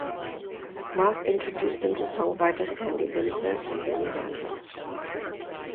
Marc introduced them to songwriters Sandy Linzer and Denny Randell.